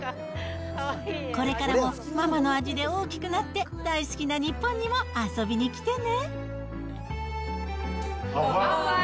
これからもママの味で大きくなって、大好きな日本にも遊びに来てね。